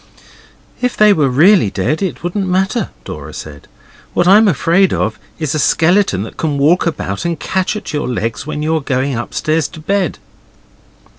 'If they were really dead it wouldn't matter,' Dora said. 'What I'm afraid of is a skeleton that can walk about and catch at your legs when you're going upstairs to bed.